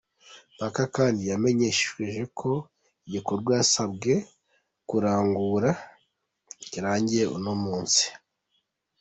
Mkapa kandi yamenyesheje ko igikorwa yasabwe kurangura kirangiye uno munsi.